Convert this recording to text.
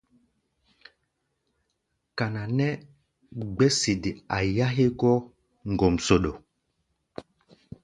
Kana nɛ́ gbɛ̧́ sede a yá hégɔ́ ŋgomsoɗo.